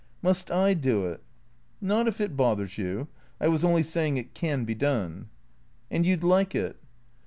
"Must I do it?" " Not if it bothers you. I was only saying it can be done." "And you'd like it?"